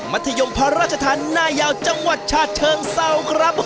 ธยมพระราชทานนายาวจังหวัดชาติเชิงเศร้าครับ